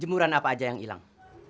jemuran apa aja yang hilang